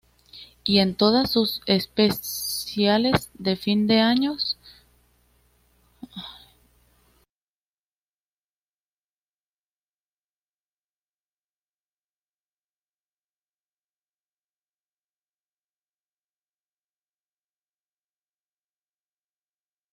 Su versión en Internet se denomina G Online.